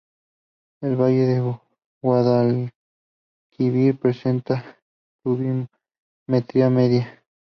El valle de Guadalquivir presenta pluviometría media.